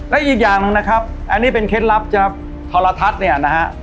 และอีกอย่างหนึ่งนะครับอันนี้เป็นเคล็ดลับจากโทรทัศน์เนี่ยนะฮะ